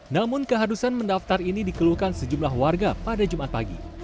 namun keharusan mendaftar ini dikeluhkan sejumlah warga pada jumat pagi